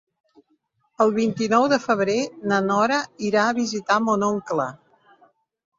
El vint-i-nou de febrer na Nora irà a visitar mon oncle.